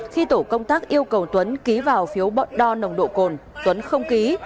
khi tổ công tác yêu cầu tuấn ký vào phiếu đo nồng độ cồn tuấn không ký